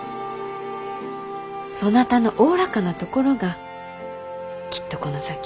そなたのおおらかなところがきっとこの先殿の助けになろう。